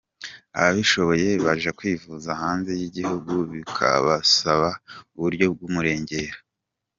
Ababishoboye baja kwivuza hanze y'igihugu bikabasaba uburyo bw'umurengera.